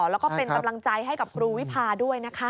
แล้วก็เป็นกำลังใจให้กับครูวิพาด้วยนะคะ